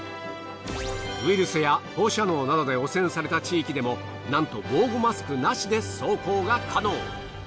ウイルスや放射能などで汚染された地域でもなんと防護マスクなしで走行が可能。